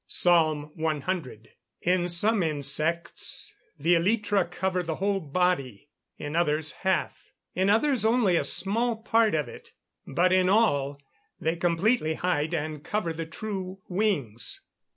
PSALM C.] In some insects, the elytra cover the whole body; in others, half; in others only a small part of it; but in all, they completely hide and cover the true wings.